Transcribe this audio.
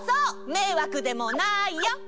めいわくでもないよ！